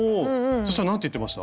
そしたら何て言ってました？